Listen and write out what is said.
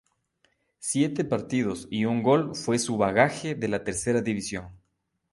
Siete partidos y un gol fue su bagaje en la Tercera División.